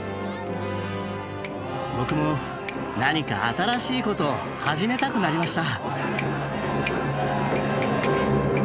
僕も何か新しいことを始めたくなりました。